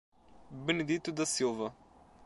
Benedito da Silva